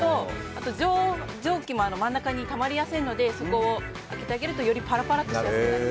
あと蒸気も真ん中にたまりやすいので空けてあげるとよりパラパラになると。